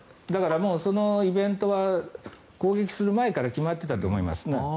だから、そのイベントは攻撃する前から決まっていたと思いますね。